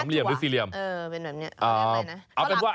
เว้นจะต้องให้เข้าโพดขัน๓๑